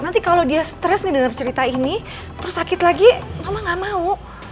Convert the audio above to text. nanti kalau dia stres nih dalam cerita ini terus sakit lagi mama gak mau